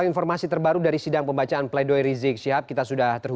ya selamat sore ferdi